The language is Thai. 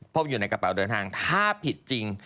พบอยู่ในกระเป๋าเดินทางถ้าผิดจริง